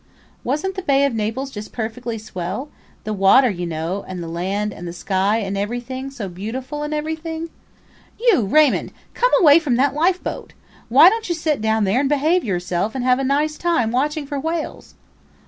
... "Wasn't the Bay of Naples just perfectly swell the water, you know, and the land and the sky and everything, so beautiful and everything?" ... "You Raymund, come away from that lifeboat. Why don't you sit down there and behave yourself and have a nice time watching for whales?"